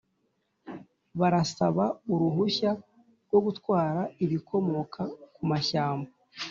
barasaba uruhushya rwo gutwara ibikomoka ku mashyamba